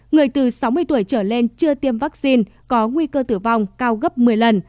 người từ sáu mươi tuổi trở lên chưa tiêm vaccine có nguy cơ tử vong cao gấp một mươi lần